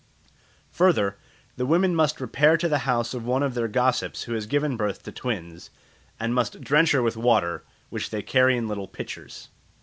Further, the women must repair to the house of one of their gossips who has given birth to twins, and must drench her with water, which they carry in little pitchers.